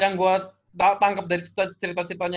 yang gue tangkap dari cerita ceritanya